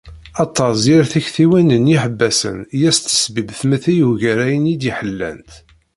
Ad terẓ yir tiktiwin d yiḥebbasen i as-tesbi-b tmetti yugar ayen i d-ḥellant.